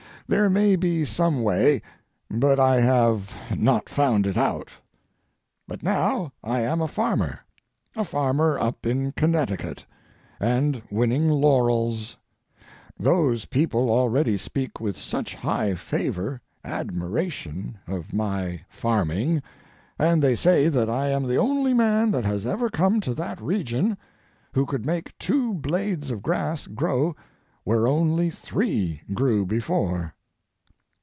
There may be some way, but I have not found it out. But now I am a farmer—a farmer up in Connecticut, and winning laurels. Those people already speak with such high favor, admiration, of my farming, and they say that I am the only man that has ever come to that region who could make two blades of grass grow where only three grew before.